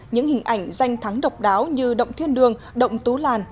những hình ảnh danh thắng độc đáo như động thiên đường động tú làn